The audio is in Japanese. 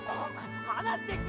・離してくれ！！